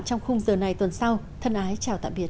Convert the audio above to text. trong khung giờ này tuần sau thân ái chào tạm biệt